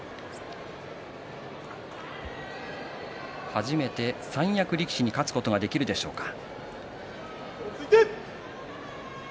初めて三役力士に勝つことができるでしょうか。